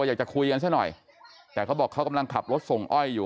อยากจะคุยกันซะหน่อยแต่เขาบอกเขากำลังขับรถส่งอ้อยอยู่